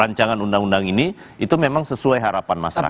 rancangan undang undang ini itu memang sesuai harapan masyarakat